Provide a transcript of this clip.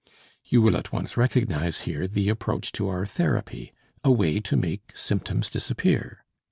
You will at once recognize here the approach to our therapy, a way to make symptoms disappear.